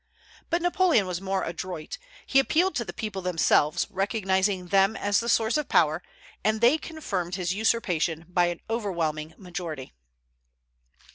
But Napoleon was more adroit; he appealed to the people themselves, recognizing them as the source of power, and they confirmed his usurpation by an overwhelming majority.